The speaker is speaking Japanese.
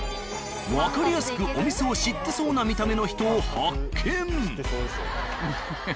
わかりやすくお店を知ってそうな見た目の人を発見！